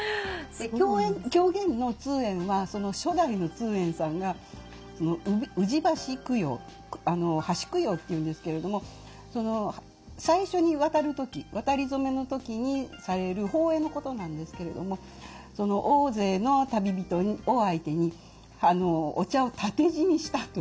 狂言の「通圓」はその初代の通円さんが宇治橋供養橋供養って言うんですけれどもその最初に渡る時渡り初めの時にされる法会のことなんですけれどもその大勢の旅人を相手にお茶を点て死にしたという。